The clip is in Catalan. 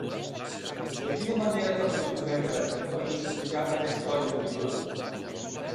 De quina manera t'ha pogut ofendre, per justificar aquest odi horrible?